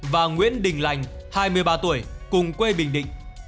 và nguyễn đình lành hai mươi ba tuổi cùng quê bình định